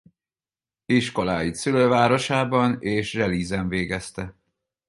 Iskoláit szülővárosában és Zselízen végezte.